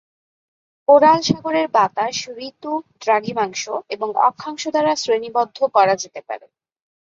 Coral সাগরের বাতাস ঋতু, দ্রাঘিমাংশ এবং অক্ষাংশ দ্বারা শ্রেণিবদ্ধ করা যেতে পারে।